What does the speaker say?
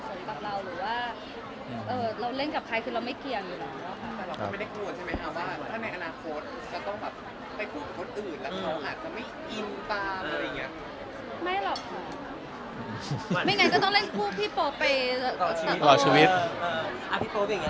แสวได้ไงของเราก็เชียนนักอยู่ค่ะเป็นผู้ร่วมงานที่ดีมาก